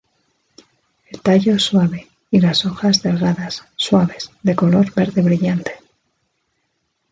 El tallo suave y las hojas delgadas, suaves de color verde brillante.